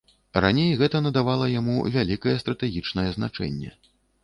Раней гэта надавала яму вялікае стратэгічнае значэнне.